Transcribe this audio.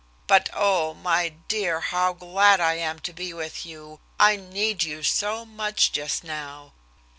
But oh, my dear, how glad I am to be with you. I need you so much just now."